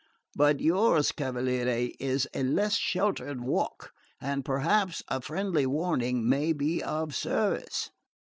But yours, cavaliere, is a less sheltered walk, and perhaps a friendly warning may be of service.